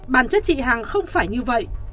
bản chất chị hằng không phải như vậy